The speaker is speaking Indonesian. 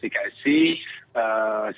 sehingga kita bisa menghindar virus